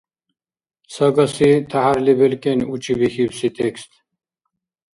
Сагаси тяхӀярли белкӀен учибихьибси текст